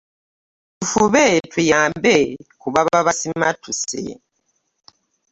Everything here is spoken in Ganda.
Tufube tuyambe ku baba basimattuse.